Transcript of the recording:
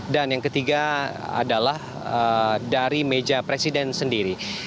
dan yang ketiga adalah dari meja presiden sendiri